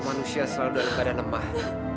manusia selalu dalam keadaan lemah